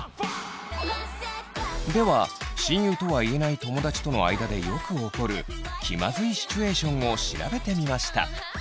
では親友とは言えない友だちとの間でよく起こる気まずいシチュエーションを調べてみました。